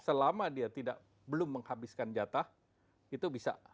selama dia belum menghabiskan jatah itu bisa